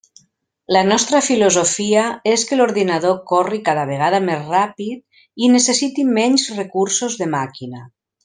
La nostra filosofia és que l'ordinador corri cada vegada més ràpid i necessiti menys recursos de màquina.